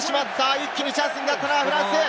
一気にチャンスになったのはフランス。